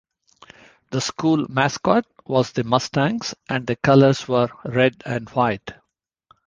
The school mascot was the Mustangs and the colors were red and white.